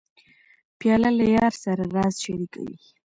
پیاله له یار سره راز شریکوي.